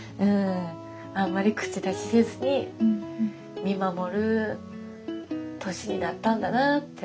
あんまり口出しせずに見守る年になったんだなって思うし。